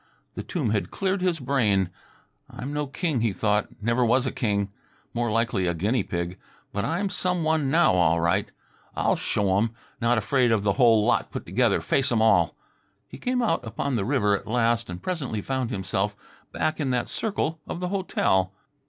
The tomb had cleared his brain. "I'm no king," he thought; "never was a king; more likely a guinea pig. But I'm some one now, all right! I'll show 'em; not afraid of the whole lot put together; face 'em all." He came out upon the river at last and presently found himself back in that circle of the hotel.